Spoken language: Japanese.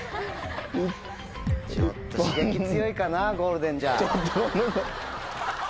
ちょっと刺激強いかなゴールデンじゃ。